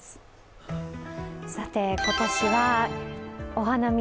さて、今年はお花見、